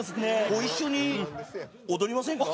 ご一緒に踊りませんか？